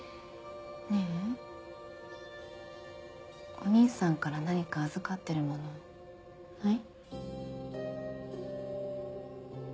お兄さんから何か預かってるものない？